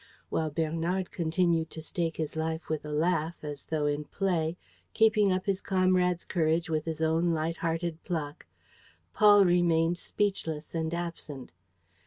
While Bernard continued to stake his life with a laugh, as though in play, keeping up his comrade's courage with his own light hearted pluck, Paul remained speechless and absent.